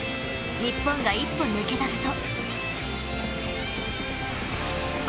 日本が一歩抜け出すと。